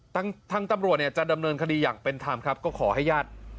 ทางตำรวจเนี่ยจะดำเนินคดีอย่างเป็นธรรมครับก็ขอให้ญาติ